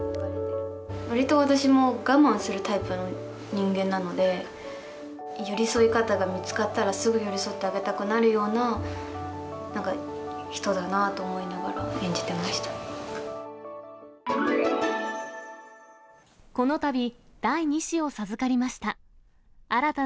わりと私も我慢するタイプの人間なので、寄り添い方が見つかったら、すぐ寄り添ってあげたくなるような、なんか、人だなぁと思いながこのたび第２子を授かりました。